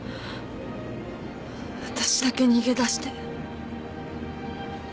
私だけ逃げだして。